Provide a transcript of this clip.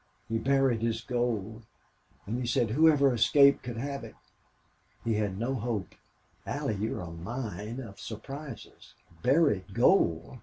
He buried his gold.... And he said whoever escaped could have it. He had no hope." "Allie, you're a mine of surprises. Buried gold!